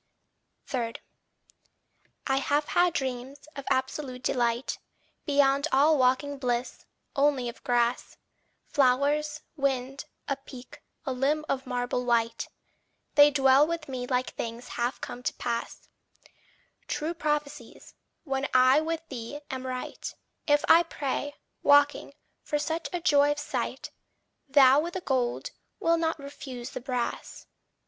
3. I have had dreams of absolute delight, Beyond all waking bliss only of grass, Flowers, wind, a peak, a limb of marble white; They dwell with me like things half come to pass, True prophecies: when I with thee am right, If I pray, waking, for such a joy of sight, Thou with the gold, wilt not refuse the brass.